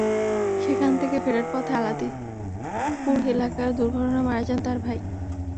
সেখান থেকে ফেরার পথে আলাদিপুর এলাকায় দুর্ঘটনা মারা যান তাঁর ভাই।